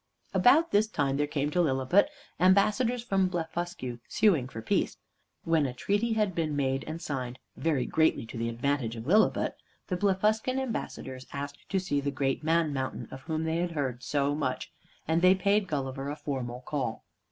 About this time there came to Lilliput ambassadors from Blefuscu, suing for peace. When a treaty had been made and signed (very greatly to the advantage of Lilliput), the Blefuscan ambassadors asked to see the Great Man Mountain, of whom they had heard so much, and they paid Gulliver a formal call.